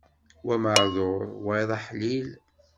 Wa maεduṛ, wayeḍ aḥlil.